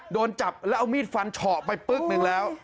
โดนจับแล้วเอามีดฝันชอบไปไปได้หนึ่งแล้ว